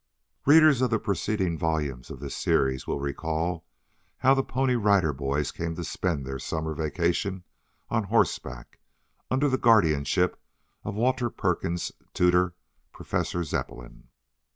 Readers of the preceding volumes of this series will recall how the Pony Rider Boys came to spend their summer vacation on horseback, under the guardianship of Walter Perkins' tutor, Professor Zepplin.